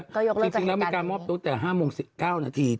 ยกเลิกไปแล้วจริงแล้วมีการมอบตัวตั้งแต่๕โมง๑๙นาที